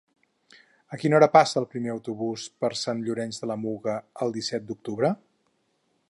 A quina hora passa el primer autobús per Sant Llorenç de la Muga el disset d'octubre?